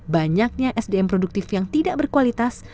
banyaknya sdm produktif yang tidak berkualitas